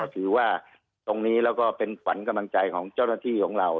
ถือว่าตรงนี้แล้วก็เป็นขวัญกำลังใจของเจ้าหน้าที่ของเรา